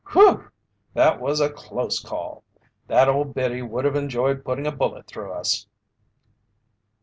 "Whew! That was a close call! That old biddy would have enjoyed putting a bullet through us!"